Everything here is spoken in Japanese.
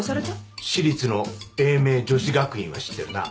私立の英明女子学院は知ってるな？